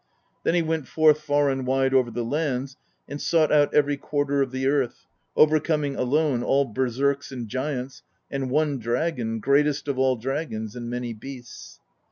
Then he went forth far and wide over the lands, and sought out every quarter of the earth, overcoming alone all berserks and giants, and one dragon, greatest of all dragons, and many beasts.